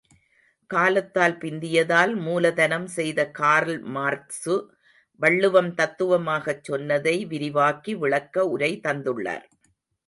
காலத்தால் பிந்தியதால் மூலதனம் செய்த கார்ல்மார்க்சு, வள்ளுவம் தத்துவமாக சொன்னதை விரிவாக்கி விளக்க உரை தந்துள்ளார்.